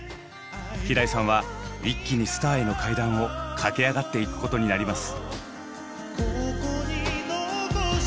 平井さんは一気にスターへの階段を駆け上がっていくことになります。